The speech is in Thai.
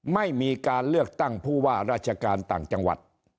ไม่มีการเลือกตั้งผู้ว่าราชการต่างจังหวัด